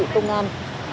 xử lý các trường hợp